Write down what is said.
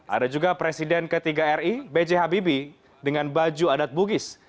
ada juga presiden ke tiga ri bj habibi dengan baju adat bugis